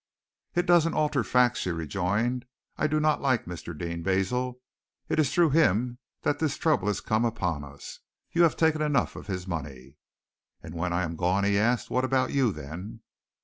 "It doesn't alter facts," she rejoined. "I do not like Mr. Deane, Basil. It is through him that this trouble has come upon us. You have taken enough of his money." "And when I am gone?" he asked. "What about you then?"